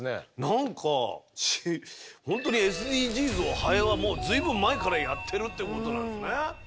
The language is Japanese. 何か本当にＳＤＧｓをハエは随分前からやってるってことなんですね。